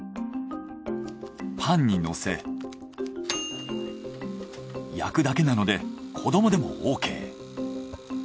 パンにのせ焼くだけなので子どもでもＯＫ。